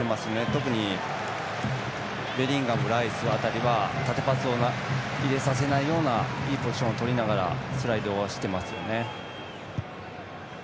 特にベリンガム、ライス辺りは縦パスを入れさせないようないいポジションをとりながらスライドしていますよね。